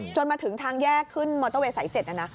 มาถึงทางแยกขึ้นมอเตอร์เวย์สาย๗นะนะ